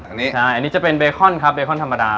อันนี้ใช่อันนี้จะเป็นเบคอนครับเบคอนธรรมดา